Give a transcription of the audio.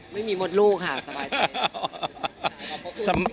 ไม่มีหมดลูกค่ะสบายใจ